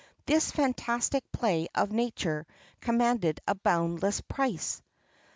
This fantastic play of nature commanded a boundless price.